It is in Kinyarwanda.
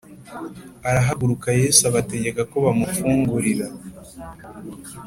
arahaguruka Yesu abategeka ko bamufungurira